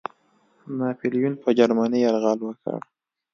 ناپلیون پر جرمني یرغل وکړ.